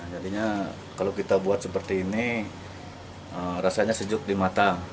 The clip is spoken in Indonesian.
jadinya kalau kita buat seperti ini rasanya sejuk di mata